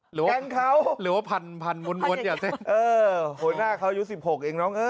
หัวหน้าเขายู๑๖เองน้อง